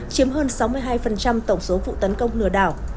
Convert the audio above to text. chiếm hơn sáu mươi hai tổng số vụ tấn công lừa đảo